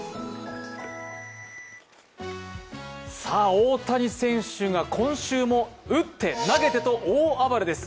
大谷選手が今週も打って投げてと大暴れです。